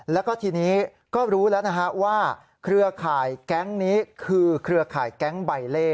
แล้วก็ทีนี้ก็รู้แล้วนะฮะว่าเครือข่ายแก๊งนี้คือเครือข่ายแก๊งใบเล่